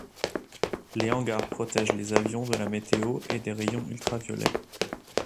Les hangars protègent les avions de la météo et des rayons ultraviolets.